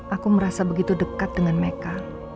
aku merasa begitu dekat dengan mereka